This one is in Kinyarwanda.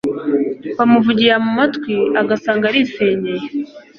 bamuvugira mu matwi agasanga arisenyeye.